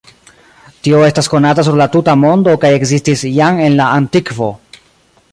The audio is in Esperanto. Tio estas konata sur la tuta mondo kaj ekzistis jam en la antikvo.